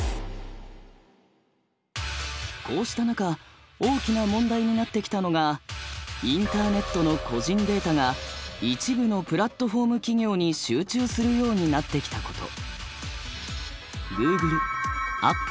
こうした中大きな問題になってきたのがインターネットの個人データが一部のプラットフォーム企業に集中するようになってきたこと。